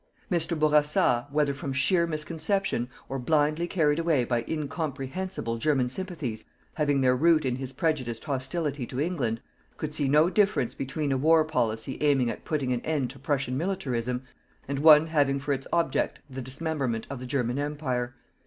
Mr. Bourassa, whether from sheer misconception, or blindly carried away by incomprehensible German sympathies, having their root in his prejudiced hostility to England, could see no difference between a war policy aiming at putting an end to Prussian militarism, and one having for its object the dismemberment of the German Empire.